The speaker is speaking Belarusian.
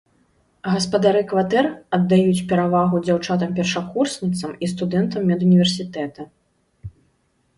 Гаспадары кватэр аддаюць перавагу дзяўчатам-першакурсніцам і студэнтам медуніверсітэта.